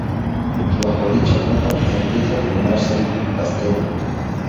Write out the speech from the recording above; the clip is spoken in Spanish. Bajo dicha capa empieza a formarse el blastema.